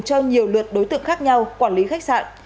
cho nhiều lượt đối tượng khác nhau quản lý khách sạn